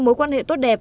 mối quan hệ tốt đẹp